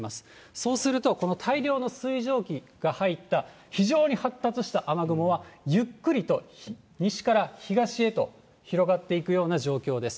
そうすると、この大量の水蒸気が入った非常に発達した雨雲は、ゆっくりと西から東へと広がっていくような状況です。